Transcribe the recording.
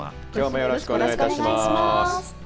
よろしくお願いします。